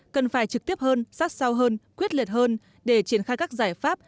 cần phải trực tiếp hơn sát sao hơn quyết liệt hơn để triển khai các giải pháp